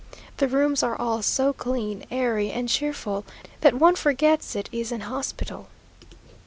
The rooms are all so clean, airy, and cheerful, that one forgets it is an hospital.